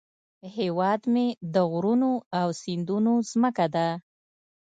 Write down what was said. هیواد مې د غرونو او سیندونو زمکه ده